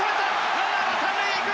ランナーは３塁へ行く。